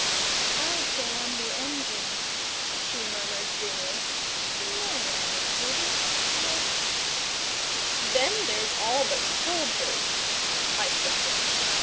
"I'd go on the engine," she murmured dreamily. "No, I wouldn't, I'd " "Then there's all the soldiers," I struck in.